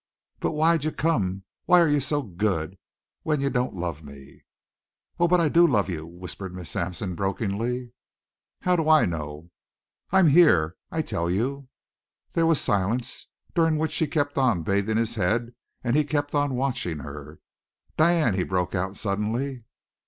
"But why'd you come why're you so good when you don't love me?" "Oh, but I do love you," whispered Miss Sampson brokenly. "How do I know?" "I am here. I tell you." There was a silence, during which she kept on bathing his head, and he kept on watching her. "Diane!" he broke out suddenly.